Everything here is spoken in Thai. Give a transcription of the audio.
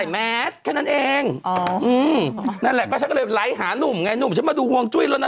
เมื่อวานชั้นเอาหมอชัพมาดูฮองจุ้ย